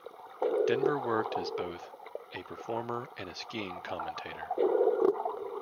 Denver worked as both a performer and a skiing commentator.